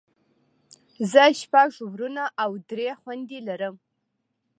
زه شپږ وروڼه او درې خويندې لرم.